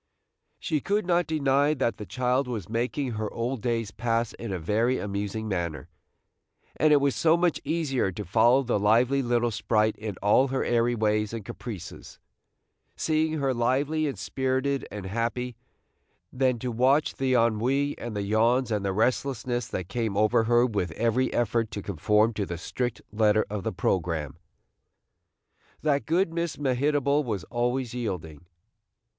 She could not deny that the child was making her old days pass in a very amusing manner, and it was so much easier to follow the lively little sprite in all her airy ways and caprices, seeing her lively and spirited and happy, than to watch the ennui and the yawns and the restlessness that came over her with every effort to conform to the strict letter of the programme, that good Miss Mehitable was always yielding.